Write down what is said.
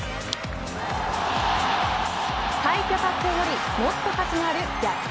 快挙達成よりもっと価値のある逆転